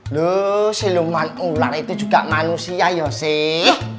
loh siluman ular itu juga manusia ya sih